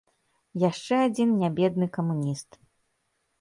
Яшчэ адзін нябедны камуніст.